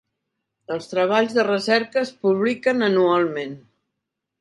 Els treballs de recerca es publiquen anualment.